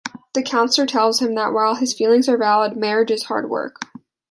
The counselor tells him that while his feelings are valid, marriage is hard work.